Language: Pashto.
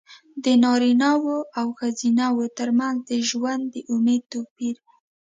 د نارینه وو او ښځینه وو ترمنځ د ژوند د امید توپیر.